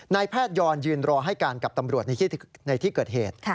แพทยอนยืนรอให้การกับตำรวจในที่เกิดเหตุ